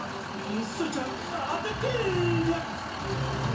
スイちゃんあててニャ！